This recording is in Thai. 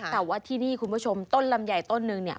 แต่ว่าที่นี่คุณผู้ชมต้นลำไยต้นนึงเนี่ย